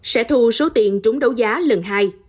sẽ thu số tiền trúng đấu giá lần hai